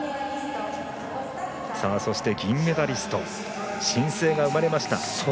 そして、銀メダリスト新星が生まれました。